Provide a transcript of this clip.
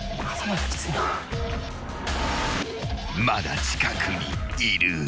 ［まだ近くにいる］